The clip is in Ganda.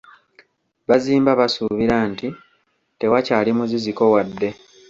Bazimba basuubira nti tewakyali muziziko wadde.